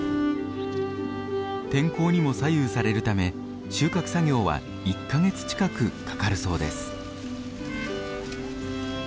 天候にも左右されるため収穫作業は１か月近くかかるそうです。